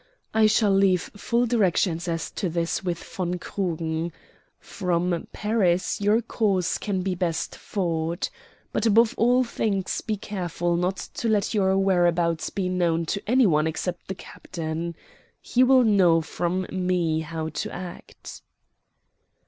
I shall leave full directions as to this with von Krugen. From Paris your cause can be best fought. But above all things be careful not to let your whereabouts be known to any one except the captain. He will know from me how to act."